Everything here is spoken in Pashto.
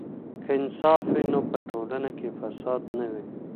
که انصاف وي نو په ټولنه کې فساد نه وي.